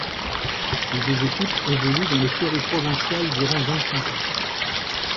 Les deux équipes évoluent dans les séries provinciales durant vingt-cinq ans.